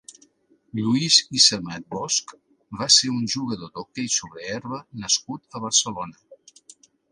Lluís Ysamat Bosch va ser un jugador d'hoquei sobre herba nascut a Barcelona.